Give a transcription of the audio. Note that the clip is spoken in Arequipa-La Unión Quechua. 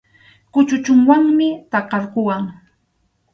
Kuchuchunwanmi takarquwan.